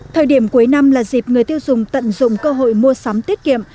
thời điểm cuối năm là dịp người tiêu dùng tận dụng cơ hội mua sắm tiết kiệm